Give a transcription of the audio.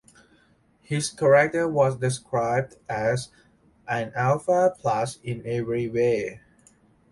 His character was described as "an Alpha Plus in every way".